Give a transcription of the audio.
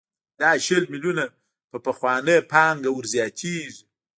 دا شل میلیونه په پخوانۍ پانګه ورزیاتېږي